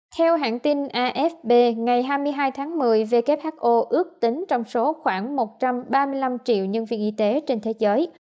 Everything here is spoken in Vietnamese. theo hãng tin afp ngày hai mươi hai tháng một mươi who ước tính trong số khoảng một trăm ba mươi năm triệu nhân viên y tế trên thế giới